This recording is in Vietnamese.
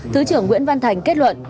thứ trưởng nguyễn văn thành kết luận